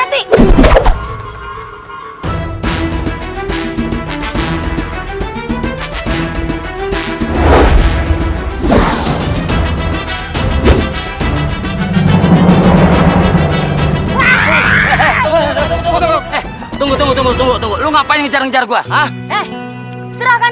tunggu tunggu tunggu tunggu tunggu tunggu lu ngapain jarak jarak gua ah eh serahkan